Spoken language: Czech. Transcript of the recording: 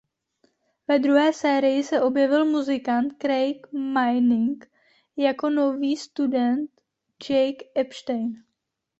Ve druhé sérii se objevil muzikant Craig Manning jako nový student Jake Epstein.